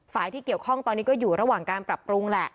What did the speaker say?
ที่เกี่ยวข้องตอนนี้ก็อยู่ระหว่างการปรับปรุงแหละ